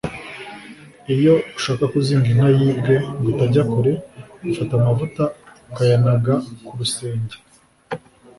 Iyo ushaka kuzinga inka yibwe ngo itajya kure, ufata amavuta ukayanaga ku rusenge